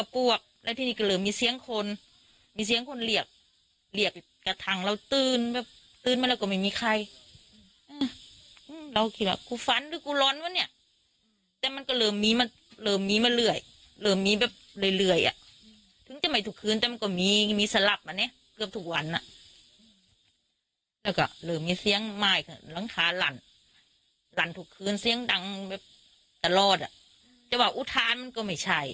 หลังคาหลั่นหลั่นทุกคืนเสียงดังตลอดอ่ะแต่ว่าอุทานมันก็ไม่ใช่